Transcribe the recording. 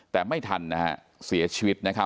แต่ไม่ทันนะฮะเสียชีวิตนะครับ